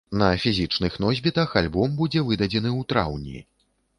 На фізічных носьбітах альбом будзе выдадзены ў траўні.